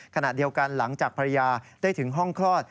ขณะเดียวกันหลังจากภรรยาได้ถึงห้องคลอด